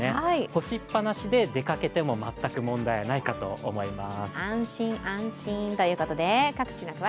干しっぱなしで出かけても全く問題ないかと思います。